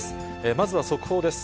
まずは速報です。